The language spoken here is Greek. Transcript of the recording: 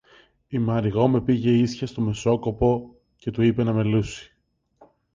Η Μαριγώ με πήγε ίσια στο μεσόκοπο Αράπη και του είπε να με λούσει